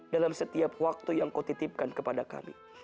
dalam setiap waktu yang kau titipkan kepada kami